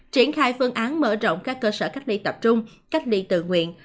triển khai phương án mở rộng các cơ sở cách ly tập trung cách ly tự nguyện